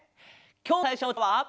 きょうさいしょのうたは。